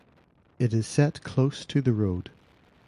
It is set close to the road.